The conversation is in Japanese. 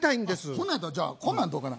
ほんなんやったらじゃあこんなんどうかな？